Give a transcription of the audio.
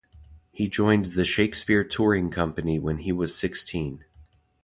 He joined the Shakespeare Touring Company when he was sixteen.